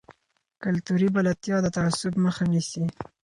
کلتوري بلدتیا د تعصب مخه نیسي.